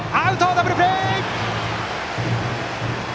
ダブルプレー！